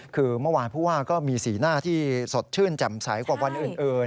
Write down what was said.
คือเมื่อวานผู้ว่าก็มีสีหน้าที่สดชื่นแจ่มใสกว่าวันอื่น